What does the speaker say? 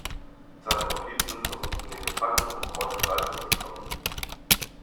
Seine Komplizen versuchten den Gefangenentransport gewaltsam zu stoppen.